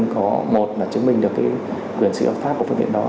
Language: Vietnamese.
người dân có một là chứng minh được quyền sử dụng pháp của phương tiện đó